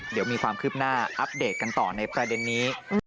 เดี๋ยวมีความคืบหน้าอัปเดตกันต่อในประเด็นนี้